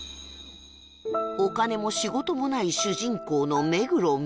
お金も仕事もない主人公の目黒澪